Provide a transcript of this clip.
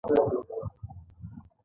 سهار اته بجې د غوټۍ ماما ګان راغلل.